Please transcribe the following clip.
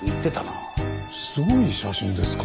すごい写真ですか？